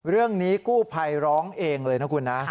เรื่องนี้กู้ภัยร้องเองเลยนะคุณนะ